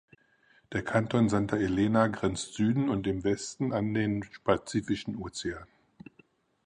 Der Kanton Santa Elena grenzt Süden und im Westen an den Pazifischen Ozean.